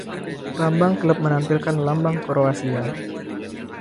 Lambang klub menampilkan Lambang Kroasia.